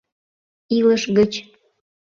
Илыш гыч